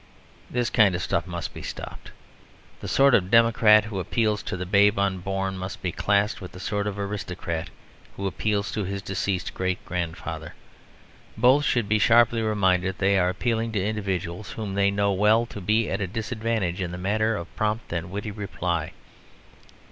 This kind of stuff must be stopped. The sort of democrat who appeals to the babe unborn must be classed with the sort of aristocrat who appeals to his deceased great grandfather. Both should be sharply reminded that they are appealing to individuals whom they well know to be at a disadvantage in the matter of prompt and witty reply.